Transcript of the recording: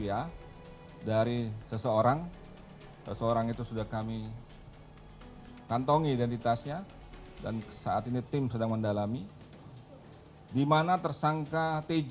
iqbal mengatakan ke enam tersangka akan melakukan pembunuhan atas perintah pihak yang menunggangi momentum aksi dua puluh dua mei yang berujung ricu